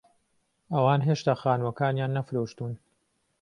ئەوان هێشتا خانووەکانیان نەفرۆشتوون.